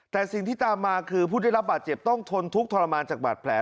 แต่สิ่งที่ตามมาคือผู้ได้รับบาดเจ็บต้องทนทุกข์ทรมานจากบาดแผล